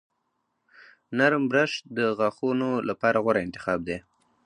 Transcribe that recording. نرم برش د غاښونو لپاره غوره انتخاب دی.